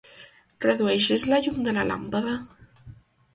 Redueixes la llum de la làmpada?